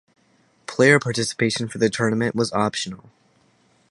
Player participation for the tournament was optional.